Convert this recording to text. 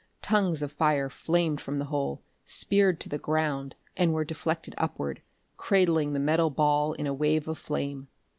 Tongues of fire flared from the hole, speared to the ground and were deflected upward, cradling the metal ball in a wave of flame.